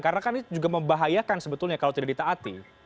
karena kan itu juga membahayakan sebetulnya kalau tidak ditaati